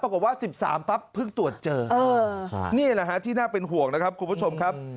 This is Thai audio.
กว่า๑๓ปั๊บเพิ่งตรวจเจอนี่แหละฮะที่น่าเป็นห่วงนะครับคุณผู้ชมครับ